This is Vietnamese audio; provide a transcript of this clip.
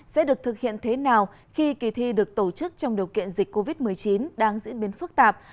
sẽ được thực hiện thế nào khi kỳ thi được tổ chức trong điều kiện dịch covid một mươi chín đang diễn biến phức tạp